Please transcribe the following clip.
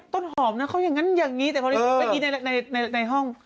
ต้นหอมนะเขาอย่างนั้นอย่างนี้แต่พอดีเมื่อกี้ในห้อง